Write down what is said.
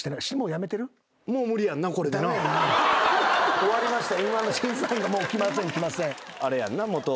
終わりました。